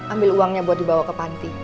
ambil uangnya buat dibawa ke panti